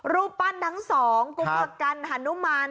รูปปั้นทั้งสองกุมประกันฮานุมาน